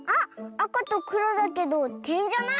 あかとくろだけど「てん」じゃない。